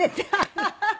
ハハハハ。